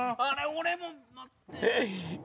俺も待って。